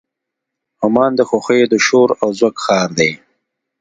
عمان د خوښیو د شور او زوږ ښار دی.